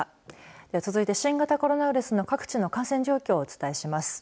では続いて新型コロナウイルスの各地の感染状況をお伝えします。